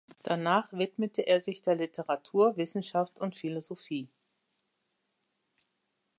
Danach widmete er sich der Literatur, Wissenschaft und Philosophie.